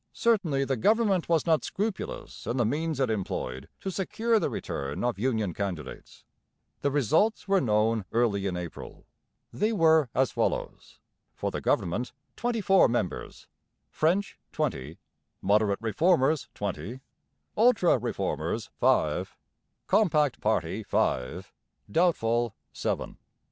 Certainly the government was not scrupulous in the means it employed to secure the return of Union candidates. The results were known early in April. They were as follows: for the government, twenty four members; French, twenty; Moderate Reformers, twenty; ultra Reformers, five; Compact party, five; doubtful, seven.